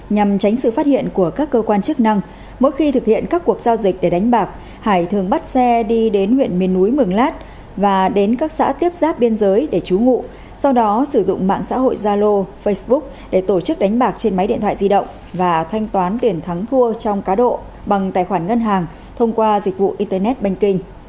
nhằm tránh sự phát hiện của các cơ quan chức năng mỗi khi thực hiện các cuộc giao dịch để đánh bạc hải thường bắt xe đi đến huyện miền núi mường lát và đến các xã tiếp giáp biên giới để trú ngụ sau đó sử dụng mạng xã hội zalo facebook để tổ chức đánh bạc trên máy điện thoại di động và thanh toán tiền thắng thua trong cá độ bằng tài khoản ngân hàng thông qua dịch vụ internet banking